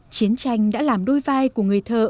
chiến tranh đã làm đôi vai của người thợ